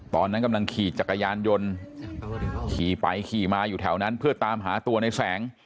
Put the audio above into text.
ตอนนั้นกำลังขี่จักรยานยนต์ขี่ไปขี่มาอยู่แถวนั้นเพื่อตามหาตัวในแสง